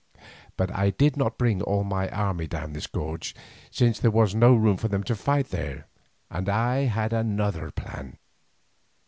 But I did not bring all my army down this gorge, since there was no room for them to fight there, and I had another plan.